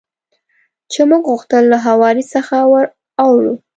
چې موږ غوښتل له هوارې څخه ور اوړو.